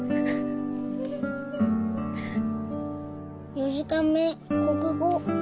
４時間目国語。